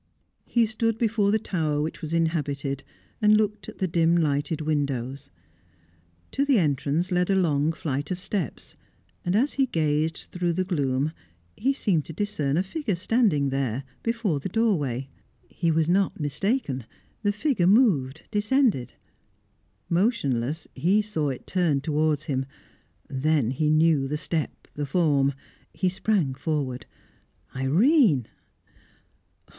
He stood before the tower which was inhabited, and looked at the dim lighted windows. To the entrance led a long flight of steps, and as he gazed through the gloom, he seemed to discern a figure standing there, before the doorway. He was not mistaken; the figure moved, descended. Motionless, he saw it turn towards him. Then he knew the step, the form; he sprang forward. "Irene!"